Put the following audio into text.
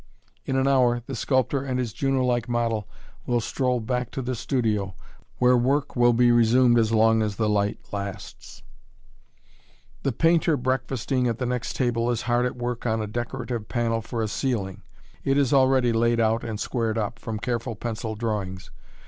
In an hour, the sculptor and his Juno like model will stroll back to the studio, where work will be resumed as long as the light lasts. [Illustration: A TRUE TYPE] The painter breakfasting at the next table is hard at work on a decorative panel for a ceiling. It is already laid out and squared up, from careful pencil drawings.